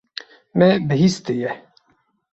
Me bihîstiye.